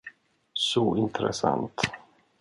Så intressant.